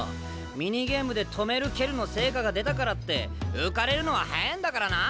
ミニゲームで止める蹴るの成果が出たからって浮かれるのは早えんだからな！